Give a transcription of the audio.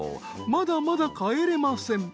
まだまだ帰れません。